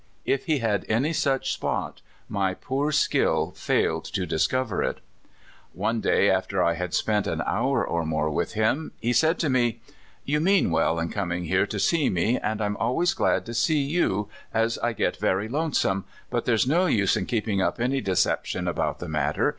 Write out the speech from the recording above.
If he had any such spot, my poor skill failed to dis cover it. One day, after I had spent an hour or more with him, he said to me: "You mean well in coming here to see me, and I'm always glad to see you, as I get very lonesome, but there's no use in keeping up any deception about the matter.